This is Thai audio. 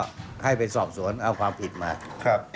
ก็ให้ไปสอบสวนเอาความผิดมาครับ